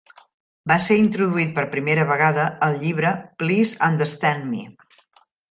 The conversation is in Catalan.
Va ser introduït per primera vegada al llibre "Please Understand Me".